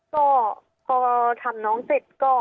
ก็พอทำน้องเสร็จก็